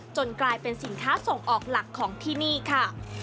กลายเป็นสินค้าส่งออกหลักของที่นี่ค่ะ